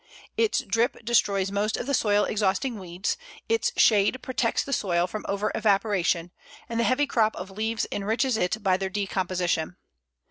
Its drip destroys most of the soil exhausting weeds, its shade protects the soil from over evaporation, and the heavy crop of leaves enriches it by their decomposition.